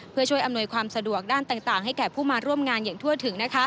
เพื่อช่วยอำนวยความสะดวกด้านต่างให้แก่ผู้มาร่วมงานอย่างทั่วถึง